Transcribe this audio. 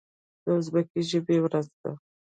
د ازبکي ژبې ورځ ده.